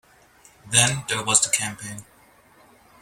Then there was the campaign.